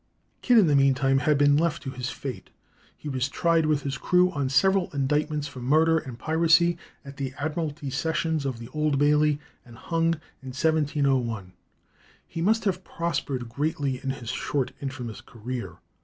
Kidd in the meantime had been left to his fate. He was tried with his crew on several indictments for murder and piracy at the Admiralty Sessions of the Old Bailey, and hung in 1701. He must have prospered greatly in his short and infamous career.